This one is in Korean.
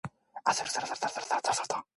청중이 숨소리를 죽이게 하는 저력 있는 목소리다.